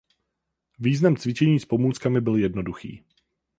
Význam cvičení s pomůckami byl jednoduchý.